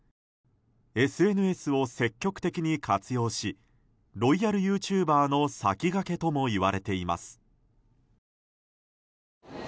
ＳＮＳを積極的に活用しロイヤルユーチューバーの先駆けともいわれています。